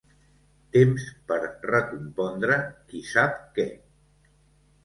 Temps per recompondre qui sap què.